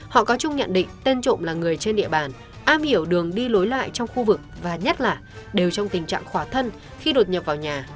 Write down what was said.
họ có chung nhận định tên trộm là người trên địa bàn am hiểu đường đi lối lại trong khu vực và nhất là đều trong tình trạng khỏa thân khi đột nhập vào nhà